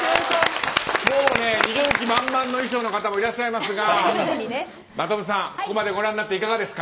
逃げる気満々の衣装の方もいらっしゃいますがここまでご覧になっていかがですか？